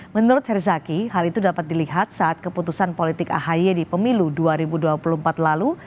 menurut herzaki hal itu dapat dilihat saat keputusan politik ahy di pemilu dua ribu dua puluh empat lalu